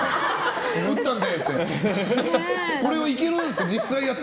打ったんだよって。